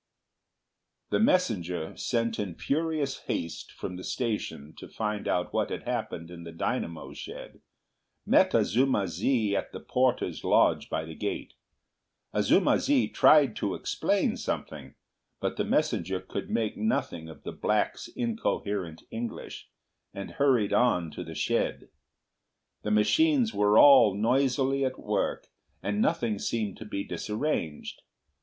The messenger, sent in furious haste from the station to find out what had happened in the dynamo shed, met Azuma zi at the porter's lodge by the gate. Azuma zi tried to explain something, but the messenger could make nothing of the black's incoherent English, and hurried on to the shed. The machines were all noisily at work, and nothing seemed to be disarranged.